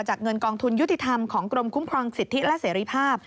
เงินกองทุนยุติธรรมของกรมคุ้มครองสิทธิและเสรีภาพ